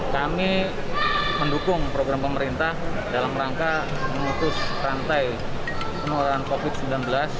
kami mendukung program pemerintah dalam rangka memutus rantai penularan covid sembilan belas